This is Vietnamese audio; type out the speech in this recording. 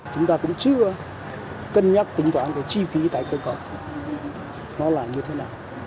chúng ta cũng chưa cân nhắc tính toán cái chi phí tái cơ cầu nó là như thế nào